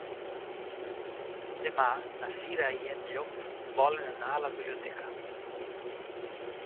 Demà na Cira i en Llop volen anar a la biblioteca.